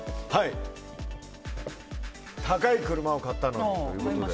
高い車を買ったのにということで。